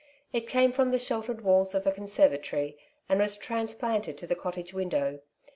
It came from the sheltered walls of a conservatory, and was transplanted to the cottage window.